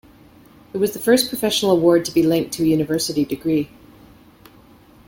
It was the first professional award to be linked to a university degree.